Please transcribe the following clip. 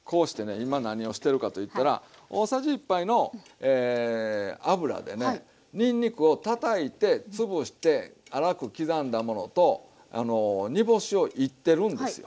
今何をしてるかといったら大さじ１杯の油でねにんにくをたたいて潰して粗く刻んだものと煮干しをいってるんですよ。